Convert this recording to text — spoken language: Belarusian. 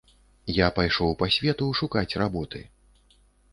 Я пайшоў па свету шукаць работы.